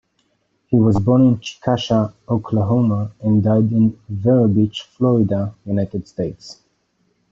He was born in Chickasha, Oklahoma and died in Vero Beach, Florida, United States.